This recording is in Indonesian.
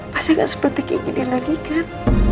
pasti gak seperti kayak gini lagi kan